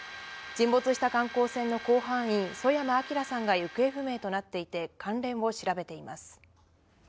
沈没した観光船の甲板員、曽山聖さんが行方不明となっていて、関連を調べています。